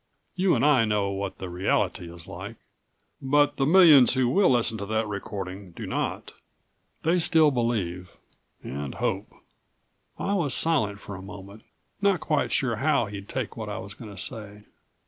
"You and I know what the reality is like. But the millions who will listen to that recording do not. They still believe and hope." I was silent for a moment, not quite sure how he'd take what I was going to say.